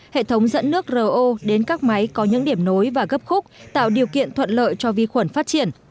hệ thống dẫn nước ro đến các máy có những điểm nối và gấp khúc tạo điều kiện thuận lợi cho vi khuẩn phát triển